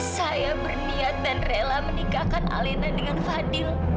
saya berniat dan rela meninggalkan alena dengan fadil